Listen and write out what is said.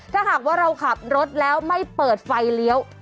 ถ้าหากว่าเราขับรถแล้วไม่เปิดไฟเลี้ยว